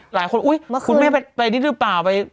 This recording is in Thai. หลายคนอุ้ยคุณแม่ไปนี่ด้วยป่าวไปเมื่อคืน